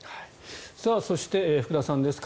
そして、福田さんです。